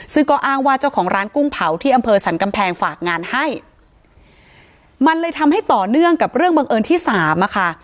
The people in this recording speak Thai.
ซึ่งก็อ้างว่าเจ้าของร้านกุ้งเผาที่อำเภอสรรกำแพงฝากงานให้มันเลยทำให้ต่อเนื่องกับเรื่องบังเอิญที่สามอะค่ะ